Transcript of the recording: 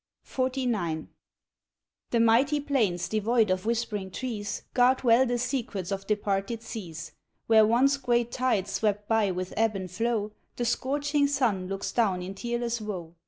L. The mighty plains, devoid of whispering trees, Guard well the secrets of departed seas. Where once great tides swept by with ebb and flow The scorching sun looks down in tearless woe.